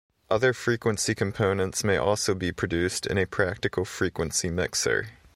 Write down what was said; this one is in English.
Other frequency components may also be produced in a practical frequency mixer.